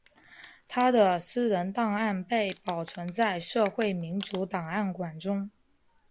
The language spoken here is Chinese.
他的私人档案被保存在社会民主档案馆中。